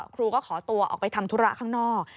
ครูก็ขอตัวออกไปทำธุระข้างนอก